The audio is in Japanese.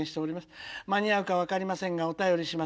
間に合うか分かりませんがお便りします。